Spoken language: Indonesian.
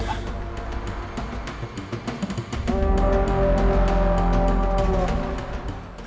ini semua ide siapa